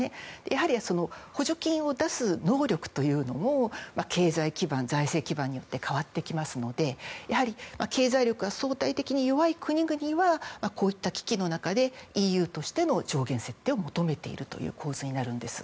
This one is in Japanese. やはり、補助金を出す能力というのも経済基盤、財政基盤によって変わってきますので経済力が相対的に弱い国々はこういった危機の中でＥＵとしての上限設定を求めているという構図になるんです。